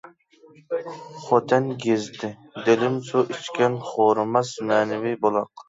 «خوتەن گېزىتى» دىلىم سۇ ئىچكەن خورىماس مەنىۋى بۇلاق!